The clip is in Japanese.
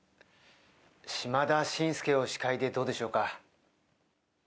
島田紳助を司会でどうでしょうか？